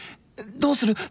どうする？